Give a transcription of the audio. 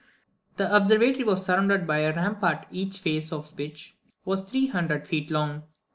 The observatory was surrounded by a rampart, each face of which was three hundred feet long.